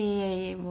もう。